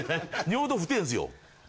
尿道ふてぇんすよ。